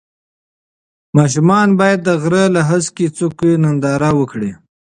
ماشومان باید د غره له هسکې څوکې ننداره وکړي.